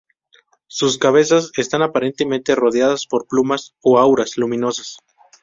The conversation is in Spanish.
Sus cabezas están aparentemente rodeadas por plumas o auras luminosas.